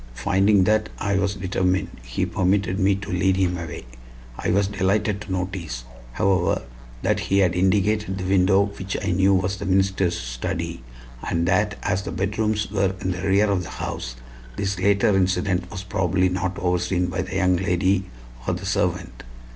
Finding that I was determined, he permitted me to lead him away. I was delighted to notice, however, that he had indicated the window which I knew was the minister's study, and that as the bedrooms were in the rear of the house, this later incident was probably not overseen by the young lady or the servant.